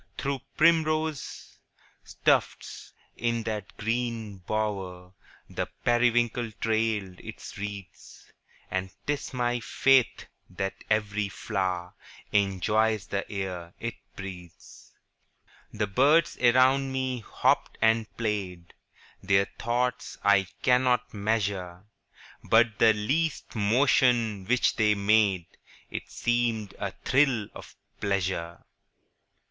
Through primrose tufts, in that green bower, The periwinkle trailed its wreaths; 10 And 'tis my faith that every flower Enjoys the air it breathes. The birds around me hopped and played, Their thoughts I cannot measure:– But the least motion which they made It seemed a thrill of pleasure.